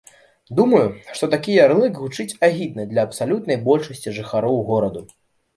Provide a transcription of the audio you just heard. Думаю, што такі ярлык гучыць агідна для абсалютнай большасці жыхароў гораду.